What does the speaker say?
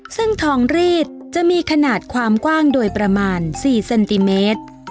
ซึ่งทองรีดจะมีขนาดความกว้างโดยประมาณ๔เซนติเมตร